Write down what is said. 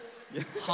は？